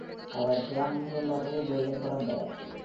அவர் பிரான்சிலுள்ள ரூபேயில் பிறந்தார்.